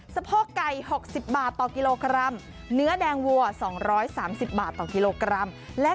สะโพกไก่๖๐บาทต่อกิโลกรัม